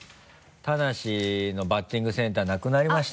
田無のバッティングセンターなくなりましたね。